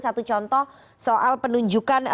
satu contoh soal penunjukan